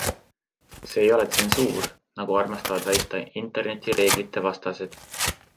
See ei ole tsensuur, nagu armastavad väita internetireeglite vastased.